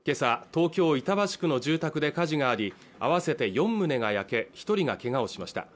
東京板橋区の住宅で火事があり合わせて四棟が焼け一人がけがをしました